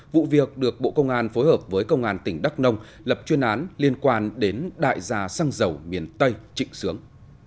vụ việc được bộ công an phối hợp với công an tỉnh đắk nông lập chuyên án liên quan đến đại gia xăng dầu miền tây trịnh sướng